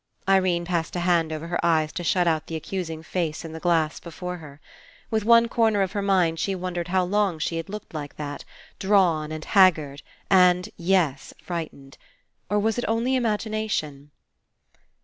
Irene passed a hand over her eyes to shut out the accusing face in the glass before her. With one corner of her mind she wondered how long she had looked like that, drawn and haggard and — yes, frightened. Or was it only Imagination?